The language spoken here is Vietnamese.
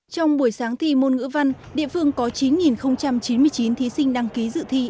trong buổi sáng thi môn ngữ văn địa phương có chín chín mươi chín thí sinh đăng ký dự thi